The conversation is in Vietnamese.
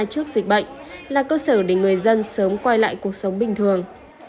trước dịch bệnh là cơ sở để người dân sớm quay lại cuộc sống bình thường